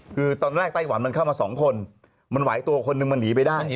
คือตอนแรกไต้หวันมันเข้ามาสองคนมันไหวตัวคนนึงมันหนีไปได้ไง